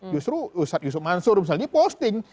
justru ustadz yusuf mansur misalnya posting